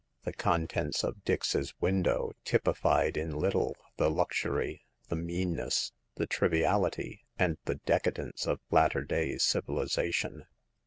The contents of Dix's window typified in little the luxury, the meanness, the triviality and the decadence of latter day civili zation.